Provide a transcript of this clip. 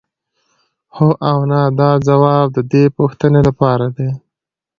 هو او نه دا ځواب د دې پوښتنې لپاره دی.